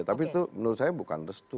tapi itu menurut saya bukan restu